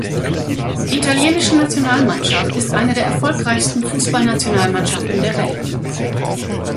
Die italienische Nationalmannschaft ist eine der erfolgreichsten Fußballnationalmannschaften der Welt.